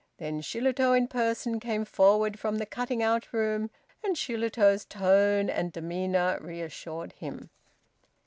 Then Shillitoe in person came forward from the cutting out room and Shillitoe's tone and demeanour reassured him.